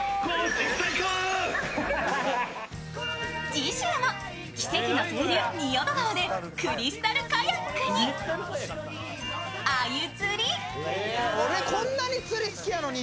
次週も奇跡の清流、仁淀川でクリスタルカヤックに鮎釣り！